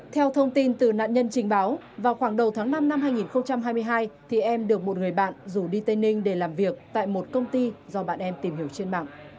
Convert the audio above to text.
theo thông tin từ nạn nhân trình báo vào khoảng đầu tháng năm năm hai nghìn hai mươi hai thì em được một người bạn rủ đi tây ninh để làm việc tại một công ty do bạn em tìm hiểu trên mạng